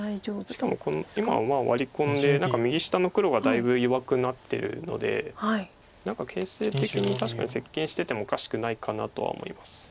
しかも今ワリ込んで何か右下の黒がだいぶ弱くなってるので何か形勢的に確かに接近しててもおかしくないかなとは思います。